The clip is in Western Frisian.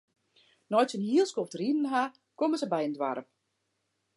Nei't se in hiel skoft riden ha, komme se by in doarp.